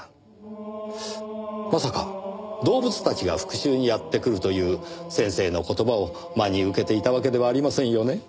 まさか動物たちが復讐にやって来るという先生の言葉を真に受けていたわけではありませんよね？